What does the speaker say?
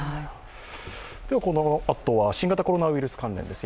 このあとは新型コロナウイルス関連です。